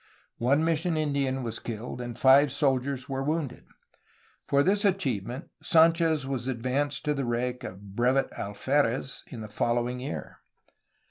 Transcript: One mission Indian was killed and five soldiers were wounded. For this achievement Sdnchez was advanced to the rank of hvevet alferez in the following year.